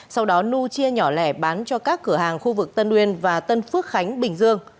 sau đó nu chia nhỏ lẻ bán cho các cửa hàng khu vực tân uyên và tân phước khánh bình dương